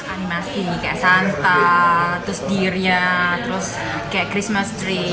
animasi kayak santa terus deer nya terus kayak christmas tree